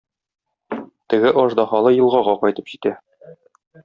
Теге аждаһалы елгага кайтып җитә.